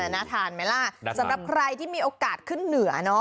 น่าทานไหมล่ะสำหรับใครที่มีโอกาสขึ้นเหนือ